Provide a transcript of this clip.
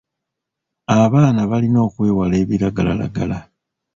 Abanana balina okwewala ebiragalalagala.